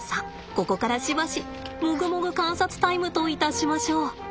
ここからしばしもぐもぐ観察タイムといたしましょう。